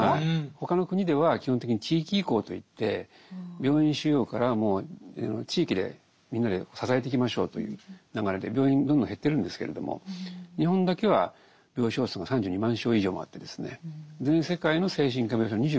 他の国では基本的に地域移行といって病院収容からもう地域でみんなで支えていきましょうという流れで病院どんどん減ってるんですけれども日本だけは病床数が３２万床以上もあってですね。